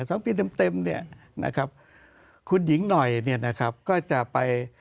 สองปีเต็มเต็มเนี่ยนะครับคุณหญิงหน่อยเนี่ยนะครับก็จะไป